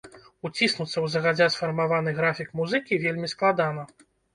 Уціснуцца ў загадзя сфармаваны графік музыкі вельмі складана!